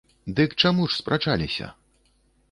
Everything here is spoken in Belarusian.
Дык чаму ж спрачаліся?